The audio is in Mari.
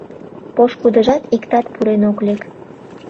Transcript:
Пошкудыжат иктат пурен ок лек.